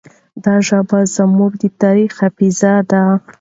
دا ژبه زموږ د تاریخ حافظه ده.